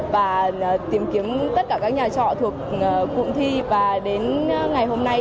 và tìm kiếm tất cả các nhà trọ thuộc cụm thi và đến ngày hôm nay